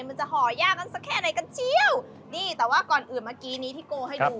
มันจะห่ยากกันสักแค่ไหนกันเชียวนี่แต่ว่าก่อนอื่นเมื่อกี้นี้ที่โกให้ดู